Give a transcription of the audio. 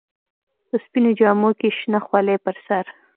په سپينو جامو کښې شنه خولۍ پر سر.